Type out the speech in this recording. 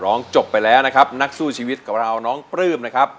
จบไปแล้วนะครับนักสู้ชีวิตกับเราน้องปลื้มนะครับ